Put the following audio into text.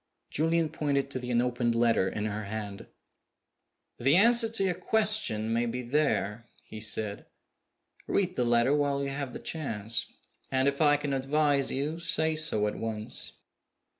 Julian pointed to the unopened letter in her hand. "The answer to your question may be there," he said. "Read the letter while you have the chance. And if I can advise you, say so at once."